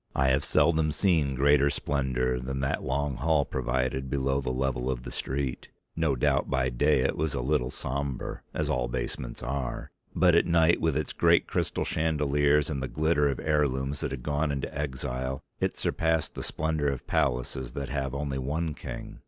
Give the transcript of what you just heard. I have seldom seen greater splendour than that long hall provided below the level of the street. No doubt by day it was a little sombre, as all basements are, but at night with its great crystal chandeliers, and the glitter of heirlooms that had gone into exile, it surpassed the splendour of palaces that have only one king.